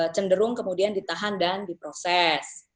cenderung kemudian ditahan dan diproses